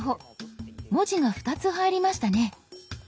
文字が２つ入りましたね。